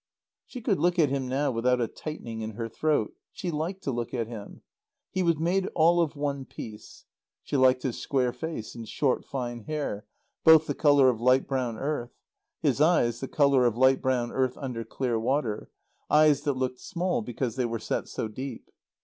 She could look at him now without a tightening in her throat. She liked to look at him. He was made all of one piece. She liked his square face and short fine hair, both the colour of light brown earth; his eyes, the colour of light brown earth under clear water; eyes that looked small because they were set so deep.